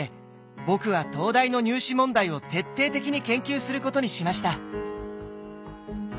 僕は東大の入試問題を徹底的に研究することにしました。